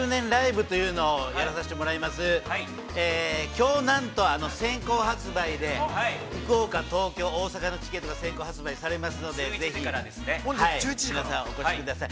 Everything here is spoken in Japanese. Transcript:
きょう、なんと先行発売で、福岡、東京、大阪のチケットが先行発売されますので、ぜひ、皆さん、お越しください。